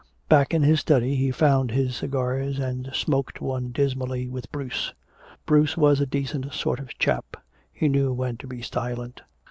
Back in his study he found his cigars and smoked one dismally with Bruce. Bruce was a decent sort of chap. He knew when to be silent.